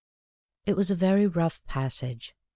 It was a very rough passage.